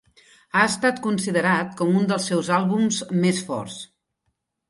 Ha estat considerat com un dels seus àlbums més forts.